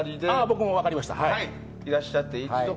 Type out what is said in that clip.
僕も分かりました。